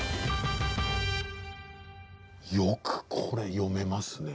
よくこれ読めますね。